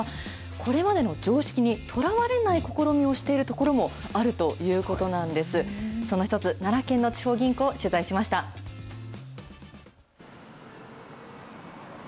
これまでの常識にとらわれない試みをしているところもあるということなんです。